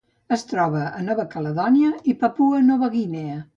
Es troba a Nova Caledònia i Papua Nova Guinea.